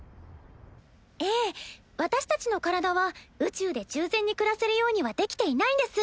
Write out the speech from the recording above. ええ私たちの体は宇宙で十全に暮らせるようにはできていないんです。